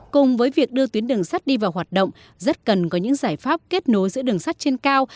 cùng với việc đưa tuyến đường sắt đi vào hoạt động rất cần có những giải pháp kết nối giữa đường sắt trên cao